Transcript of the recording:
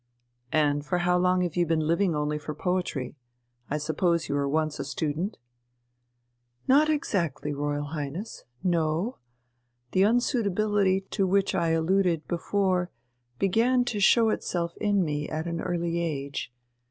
"And for how long have you been living only for poetry? I suppose you were once a student?" "Not exactly, Royal Highness; no, the unsuitability to which I alluded before began to show itself in me at an early age.